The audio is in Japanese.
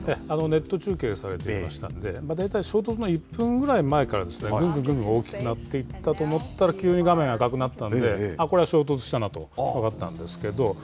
ネット中継されていましたんで、大体、衝突の１分ぐらい前から、ぐんぐんぐんぐん大きくなっていったと思ったら、急に画面が赤くなったんで、これは衝突したなと分かったんですけど。